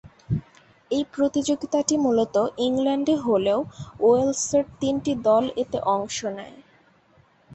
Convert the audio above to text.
এই প্রতিযোগিতাটি মূলত ইংল্যান্ডে হলেও ওয়েলসের তিনটি দল এতে অংশ নেয়।